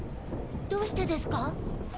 どうしてですか？